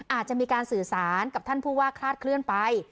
อาจจะมีการสื่อสารกับท่านผู้ว่าคลาดเคลื่อนไป